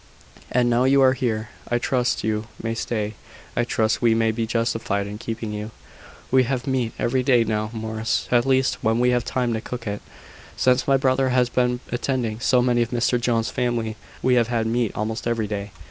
"And now you are here, I trust you may stay I trust we may be justified in keeping you. We have meat every day now, Morris, at least when we have time to cook it. Since my brother has been attending so many of Mr Jones's family, we have had meat almost every day."